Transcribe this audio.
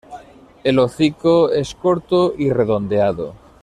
El hocico es corto y redondeado.